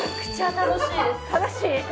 楽しい？